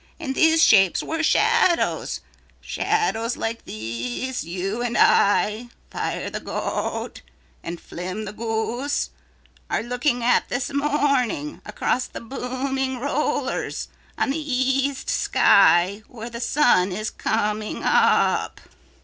And these shapes were shadows, shadows like these you and I, Fire the Goat and Flim the Goose, are looking at this morning across the booming rollers on the east sky where the sun is coming up.